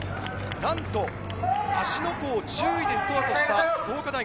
なんと芦ノ湖を１０位でスタートした創価大学。